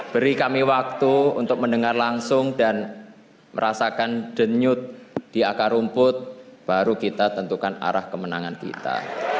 beri kami waktu untuk mendengar langsung dan merasakan denyut di akar rumput baru kita tentukan arah kemenangan kita